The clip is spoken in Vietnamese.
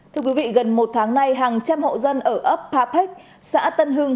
thưa quý vị gần một tháng nay hàng trăm hộ dân ở ấp papec xã tân hưng